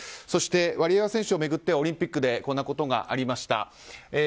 そして、ワリエワ選手を巡ってはオリンピックでこんなことがありました。